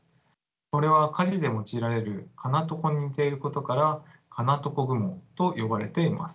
これは鍛冶で用いられる鉄床に似ていることからかなとこ雲と呼ばれています。